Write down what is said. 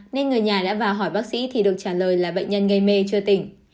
nên người nhà đã vào hỏi bác sĩ thì được trả lời là bệnh nhân gây mê chưa tỉnh